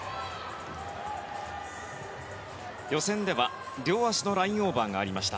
予選では、両足のラインオーバーがありました。